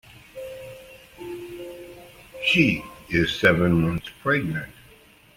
She is seven months pregnant.